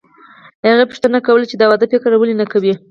هغې پوښتنه کوله چې د واده فکر ولې نه کوې